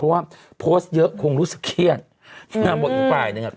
เพราะว่าโพสต์เยอะคงรู้สึกเครียดนางบอกอีกฝ่ายหนึ่งอ่ะ